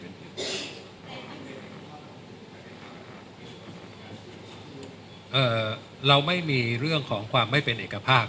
เราไม่มีเรื่องของความไม่เป็นเอกภาพ